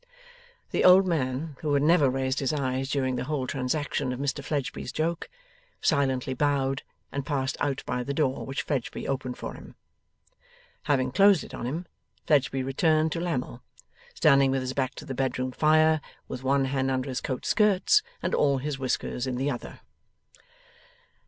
The old man, who had never raised his eyes during the whole transaction of Mr Fledgeby's joke, silently bowed and passed out by the door which Fledgeby opened for him. Having closed it on him, Fledgeby returned to Lammle, standing with his back to the bedroom fire, with one hand under his coat skirts, and all his whiskers in the other.